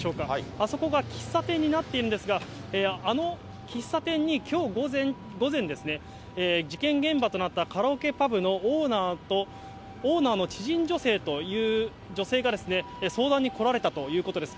あそこが喫茶店になっているんですが、あの喫茶店にきょう午前、事件現場となったカラオケパブのオーナーと、オーナーの知人女性という女性が相談に来られたということです。